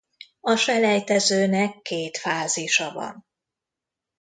A selejtezőnek két fázisa van.